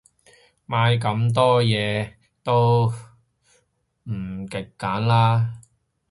買咁多嘢，都唔極簡啦